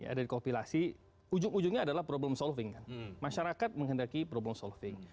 ada dikopilasi ujung ujungnya adalah problem solving kan masyarakat menghendaki problem solving